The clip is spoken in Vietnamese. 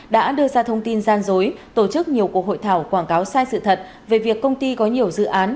đã đưa ra thông tin gian dối tổ chức nhiều cuộc hội thảo quảng cáo sai sự thật về việc công ty có nhiều dự án